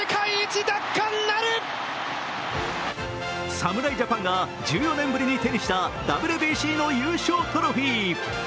侍ジャパンが１４年ぶりに手にしたＷＢＣの優勝トロフィー。